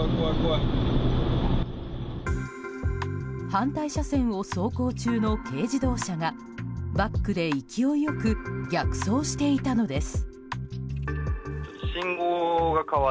反対車線を走行中の軽自動車がバックで勢いよく逆走していたのです。